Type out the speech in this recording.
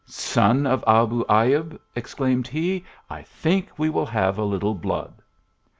"Son of Abu Ayub," exclaimed he, "I think we will have a little blood